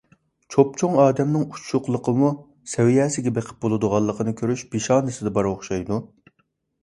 چوپچوڭ ئادەمنىڭ ئۇششۇقلۇقىمۇ سەۋىيەسىگە بېقىپ بولىدىغانلىقىنى كۆرۈش پېشانىدە بار ئوخشايدۇ.